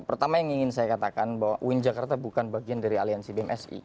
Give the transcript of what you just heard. pertama yang ingin saya katakan bahwa uin jakarta bukan bagian dari aliansi bmsi